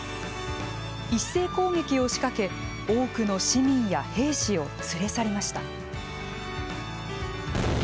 一斉攻撃を仕掛け多くの市民や兵士を連れ去りました。